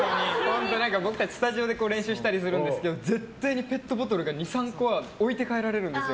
僕たち、スタジオで練習したりするんですけど絶対にペットボトルが２３個置いて帰られるんですよ。